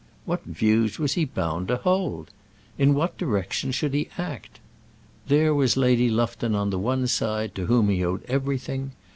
What views was he bound to hold? In what direction should he act? There was Lady Lufton on the one side, to whom he owed everything.